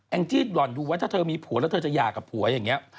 จี้หล่อนดูไว้ถ้าเธอมีผัวแล้วเธอจะหย่ากับผัวอย่างนี้